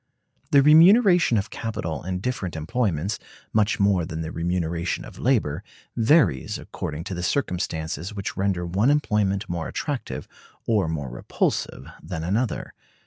The remuneration of capital in different employments, much more than the remuneration of labor, varies according to the circumstances which render one employment more attractive or more repulsive than another.